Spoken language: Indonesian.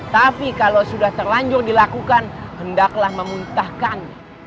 tapi kalau sudah terlanjur dilakukan hendaklah memuntahkan